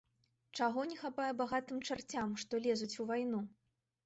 Чаго не хапае багатым чарцям, што лезуць у вайну?